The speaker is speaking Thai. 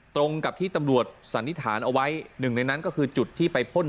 ตรงกับที่ตำรวจสันนิษฐานเอาไว้หนึ่งในนั้นก็คือจุดที่ไปพ่น